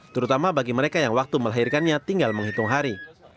terutama bagi mereka yang waktu melahirkannya tinggal menghitung hari